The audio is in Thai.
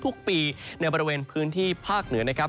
ทุกปีในบริเวณพื้นที่ภาคเหนือนะครับ